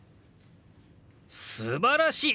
すばらしい！